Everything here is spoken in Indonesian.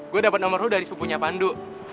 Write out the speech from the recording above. gue dapet nomor lo dari sepupunya pandu